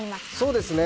そうですね。